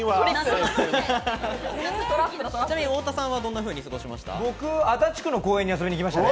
太田さんはどんなふうに過ごしましたか？